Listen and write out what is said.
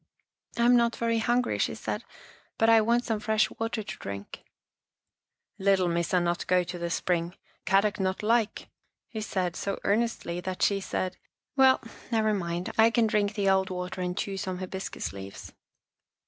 " I'm not very hungry," she said, " but I want some fresh water to drink." " Little Missa not go to the spring. Kadok not like," he said so earnestly that she said, H4 Our Little Australian Cousin " Well, never mind, I can drink the old water and chew some hibiscus leaves."